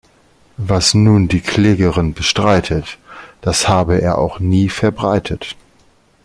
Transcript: Was nun die Klägerin bestreitet, das habe er auch nie verbreitet.